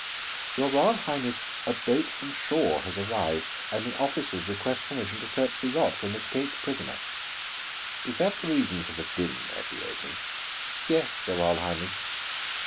"Your Royal Highness, a boat from shore has arrived and the officers request permission to search the yacht for an escaped prisoner." "Is that the reason for the din they are creating?" "Yes, your Royal Highness."